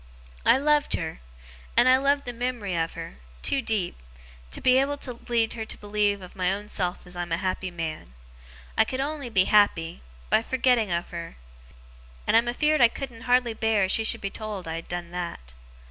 'I loved her and I love the mem'ry of her too deep to be able to lead her to believe of my own self as I'm a happy man. I could only be happy by forgetting of her and I'm afeerd I couldn't hardly bear as she should be told I done that.